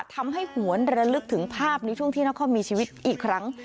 หวนระลึกถึงภาพในช่วงที่นครมีชีวิตอีกครั้ง